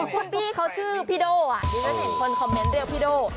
คุณพี่เขาชื่อพี่โด่ดิฉันเห็นคนคอมเมนต์เรียกพี่โด่